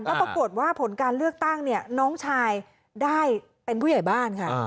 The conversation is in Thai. แล้วปรากฏว่าผลการเลือกตั้งเนี่ยน้องชายได้เป็นผู้ใหญ่บ้านค่ะ